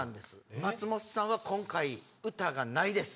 松本さんは今回歌がないです。